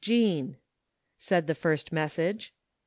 — ^Jean" said the first message.